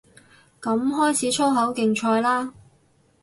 噉開始粗口競賽嘞